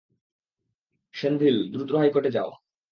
সেন্ধিল, দ্রুত হাইকোর্টে যাও।